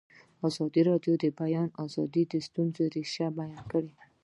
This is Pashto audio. ازادي راډیو د د بیان آزادي د ستونزو رېښه بیان کړې.